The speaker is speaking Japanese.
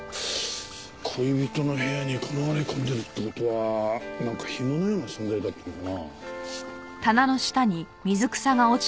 恋人の部屋に転がり込んでるって事はなんかヒモのような存在だったのかな？